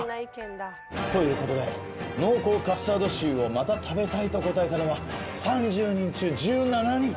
という事で濃厚カスタードシューを「また食べたい」と答えたのは３０人中１７人。